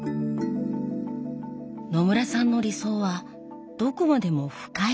野村さんの理想はどこまでも深い色。